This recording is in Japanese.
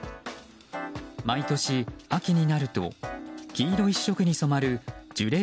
毎年、秋になると黄色一色に染まる樹齢